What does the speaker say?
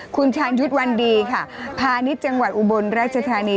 คุณชาญยุทธ์วันดีค่ะพาณิชย์จังหวัดอุบลราชธานี